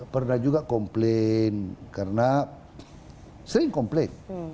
pernah juga komplain karena sering komplik